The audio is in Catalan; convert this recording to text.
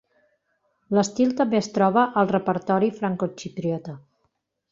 L'estil també es troba al repertori francoxipriota.